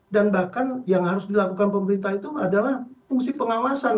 dan bahkan yang harus dilakukan pemerintah itu adalah fungsi pengawasan